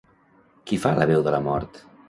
Qui fa la veu de la Mort?